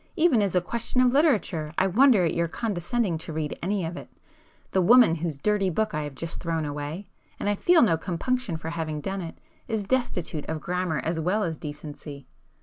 Even as a question of literature I wonder at your condescending to read any of it. The woman whose dirty book I have just thrown away—and I feel no compunction for having done it,—is destitute of grammar as well as decency."